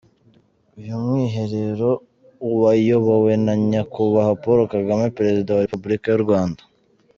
Uyu Mwiherero wayobowe na Nyakubahwa Paul Kagame, Perezida wa Repubulika y’u Rwanda.